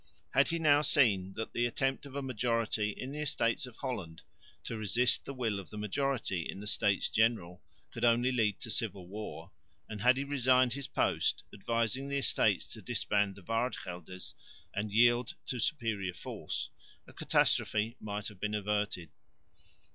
Had he now seen that the attempt of a majority in the Estates of Holland to resist the will of the majority in the States General could only lead to civil war, and had he resigned his post, advising the Estates to disband the Waardgelders and yield to superior force, a catastrophe might have been averted.